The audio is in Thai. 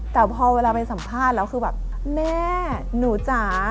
แต่พอเวลาไปสัมภาษณ์แล้วคือแบบแม่หนูจ๋า